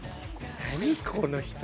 何この人？